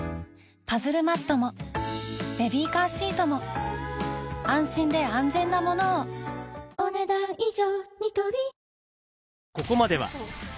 パズルマットもベビーカーシートも安心で安全なものをお、ねだん以上。